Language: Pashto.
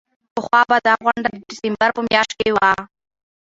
پخوا به دا غونډه د ډسمبر په میاشت کې وه.